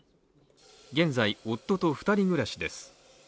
現在、夫と２人暮らしです。